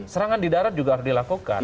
serangan di darat juga harus dilakukan